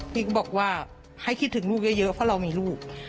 บอกว่าให้คิดถึงลูกเยอะเพราะเรามีลูก